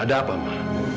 ada apa ma